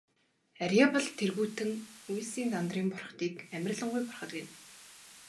Арьяабал тэргүүтэн үйлсийн Дандарын бурхдыг амарлингуй бурхад гэнэ.